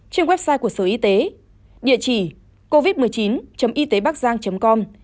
trên website của sở y tế địa chỉ covid một mươi chín ytebacgiang com